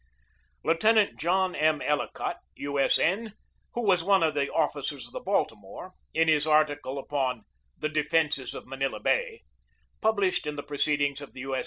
1 Lieutenant John M. Ellicott, U. S. N., who was one of the officers of the Baltimore, in his article upon "The Defences of Manila Bay," published in the Proceedings of the U. S.